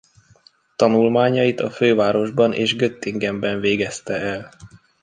Tanulmányait a fővárosban és göttingenben végezte el.